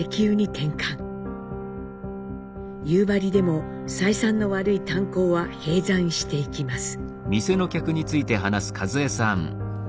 夕張でも採算の悪い炭鉱は閉山していきます。